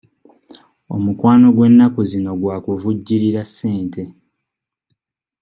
Omukwano gw'ennaku zino gwa kuvujjirira ssente.